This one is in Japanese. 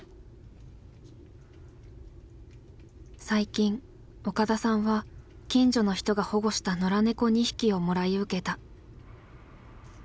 最近岡田さんは近所の人が保護した野良猫２匹をもらい受けた。